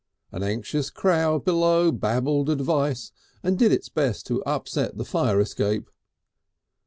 An anxious crowd below babbled advice and did its best to upset the fire escape.